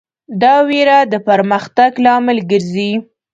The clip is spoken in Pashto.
دا وېره د پرمختګ لامل ګرځي.